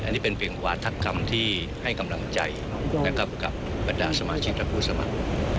อันนี้เป็นเปลี่ยนกวาดทักคำที่ให้กำลังใจกับประดาษสมาชิกพักษ์พูดสำหรับ